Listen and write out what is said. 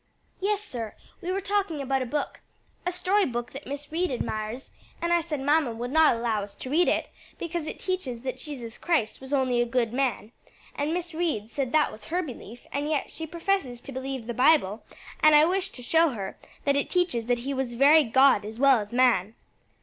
"Yes, sir; we were talking about a book a story book that Miss Reed admires and I said mamma would not allow us to read it, because it teaches that Jesus Christ was only a good man; and Miss Reed said that was her belief; and yet she professes to believe the Bible, and I wish to show her, that it teaches that he was very God as well as man."